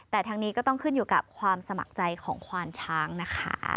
แต่ทางนี้ก็ต้องขึ้นอยู่กับความสมัครใจของควานช้างนะคะ